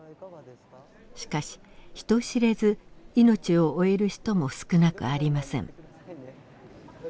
しかし人知れずいのちを終える人も少なくありません。